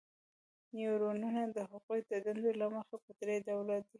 نیورونونه د هغوی د دندې له مخې په درې ډوله دي.